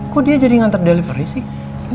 kok dia jadi ngantar delivery sih